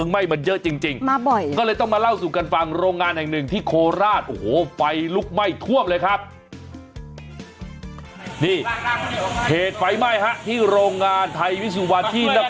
ไม่มีอะไรเป็นคนดีก็เลยนี่แหละ